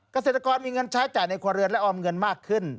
เกษตรกรมีเงินใช้จ่ายในครัวเรือนและออมเงินมากขึ้น